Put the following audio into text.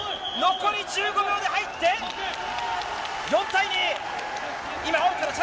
残り１５秒で入って、４対２。